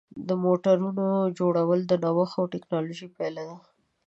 د موټرونو جوړول د نوښت او ټېکنالوژۍ پایله ده.